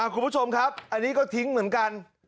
คุณผู้ชมครับอันนี้ก็ทิ้งเหมือนกัน